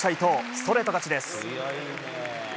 ストレート勝ちです。